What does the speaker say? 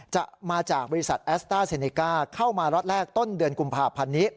จะมาจากบริษัทแอสต้าเซเนก้าเข้ามาล็อตแรกต้นเดือนกุมภาพันธ์นี้